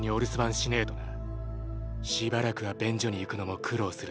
しばらくは便所に行くのも苦労するぜ？